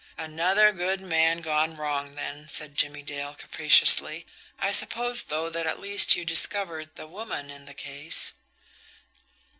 "Another good man gone wrong, then," said Jimmie Dale capriciously. "I suppose, though, that at least you discovered the 'woman in the case'?"